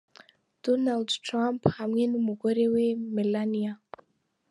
Donald Trump hamwe n'umugore we Melania.